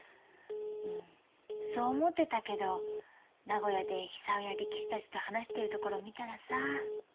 うんそう思ってたけど名古屋で久男や力士たちと話してるところ見たらさ。